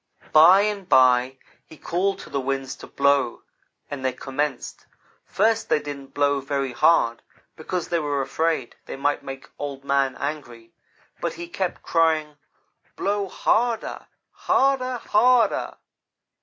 "By and by he called to the winds to blow, and they commenced. First they didn't blow very hard, because they were afraid they might make Old man angry, but he kept crying: "'Blow harder harder harder!